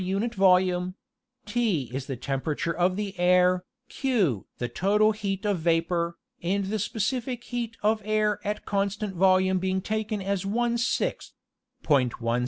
unit volume ;¢ is the temperature of the air, Q the total heat of vapor, and the specific heat of air at constant volume being taken as one sixth